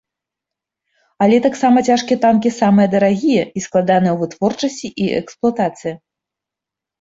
Але таксама цяжкія танкі самыя дарагія і складаныя ў вытворчасці і эксплуатацыі.